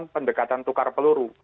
pendekatan tukar peluru